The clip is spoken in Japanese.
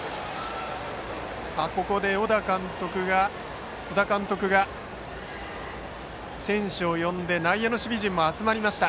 ここで小田監督が選手を呼んで内野の守備陣も集まりました。